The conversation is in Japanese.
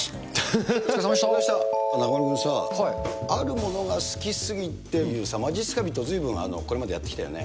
中丸君さ、あるものが好きすぎてっていうまじっすか人、これまでずいぶんやってきたよね。